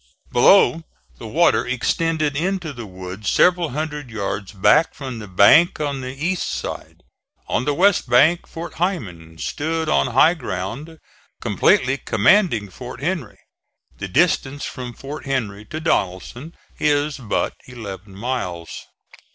Below, the water extended into the woods several hundred yards back from the bank on the east side. On the west bank Fort Heiman stood on high ground, completely commanding Fort Henry. The distance from Fort Henry to Donelson is but eleven miles.